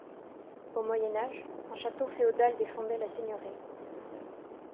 Au Moyen Âge, un château féodal défendait la seigneurie.